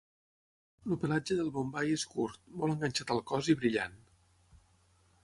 El pelatge del Bombai és curt, molt enganxat al cos i brillant.